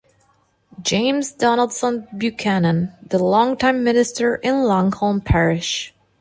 James Donaldson Buchanan, the longtime minister in Langholm Parish.